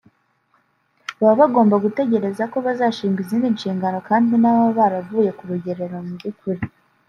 baba bagomba gutegereza ko bazashingwa izindi nshingano kandi nababa baravuye ku rugerero mu byukuri